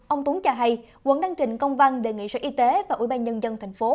ông tuấn cho hay quận đang trình công văn đề nghị sở y tế và ủy ban nhân dân thành phố